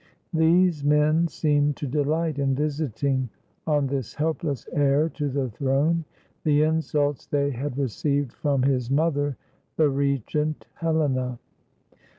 These men seemed to delight in visiting on this helpless heir to the throne the insults they had received from his mother the regent Helena.